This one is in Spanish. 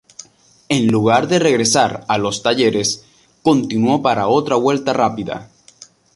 En lugar de regresar a los talleres, continuó para otra vuelta rápida.